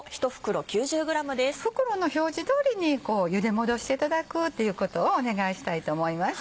袋の表示通りにゆで戻していただくっていうことをお願いしたいと思います。